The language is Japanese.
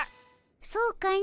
そうかの。